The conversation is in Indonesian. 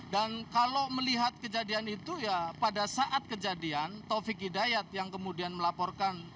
kalau melihat kejadian itu ya pada saat kejadian taufik hidayat yang kemudian melaporkan